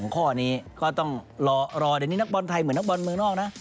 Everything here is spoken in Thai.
ข้อนี้ก็ต้องรอเดี๋ยวนี้นักบอลไทยเหมือนนักบอลเมืองนอกนะ